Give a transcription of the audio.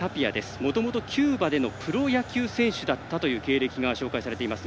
もともとキューバでのプロ野球選手だったという経歴が紹介されています。